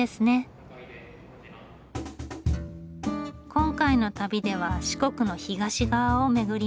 今回の旅では四国の東側を巡ります。